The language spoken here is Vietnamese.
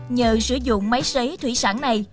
nhờ sử dụng máy sấy thủy sản này